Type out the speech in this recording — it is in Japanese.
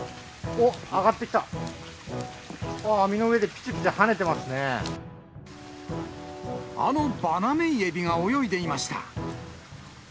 おっ、網の上で、あのバナメイエビが泳いでいました。